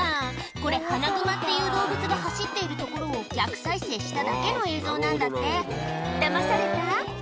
これハナグマっていう動物が走っているところを逆再生しただけの映像なんだってだまされた？